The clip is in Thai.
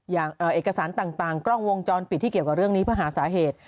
เอกสารต่างกล้องวงจรปิดที่เกี่ยวกับเรื่องนี้เพื่อหาสาเหตุ